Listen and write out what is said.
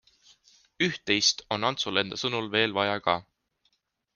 Üht-teist on Antsul enda sõnul veel vaja ka.